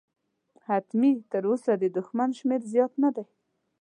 حتمي، تراوسه د دښمن شمېر زیات نه دی.